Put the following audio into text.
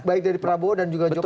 baik dari prabowo dan juga jokowi